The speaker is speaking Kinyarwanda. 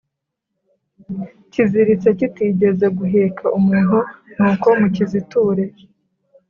kiziritse kitigeze guheka umuntu Nuko mukiziture